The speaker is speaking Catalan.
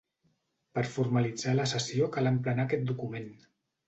Per formalitzar la cessió cal emplenar aquest document.